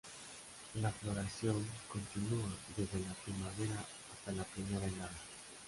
La floración continúa desde la primavera hasta la primera helada.